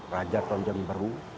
raja tonjang beru